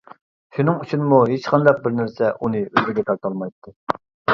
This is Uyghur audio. شۇنىڭ ئۈچۈنمۇ ھېچقانداق بىر نەرسە ئۇنى ئۆزىگە تارتالمايتتى.